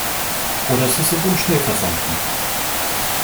Oder sie sind im Schnee versunken.